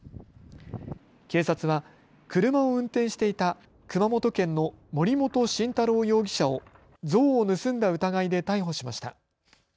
警察は車を運転していた熊本県の森本晋太郎容疑者を像を盗んだ疑いで逮捕しました。